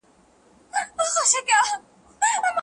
ايا زراعت د پرمختګ اساس دی؟